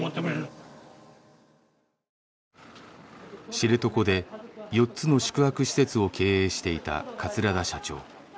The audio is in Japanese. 知床で４つの宿泊施設を経営していた桂田社長。